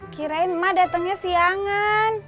kirain emak datangnya siangan